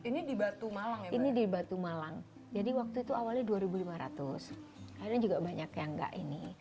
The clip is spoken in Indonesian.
ini di batu malang ini di batu malang jadi waktu itu awalnya dua ribu lima ratus kadang juga banyak yang enggak ini